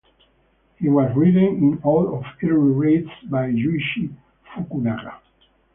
He was ridden in all of early race by Yuichi Fukunaga.